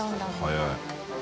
早い。